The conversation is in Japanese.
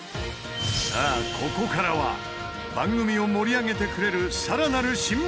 さあここからは番組を盛り上げてくれる更なる新メンバーをご紹介！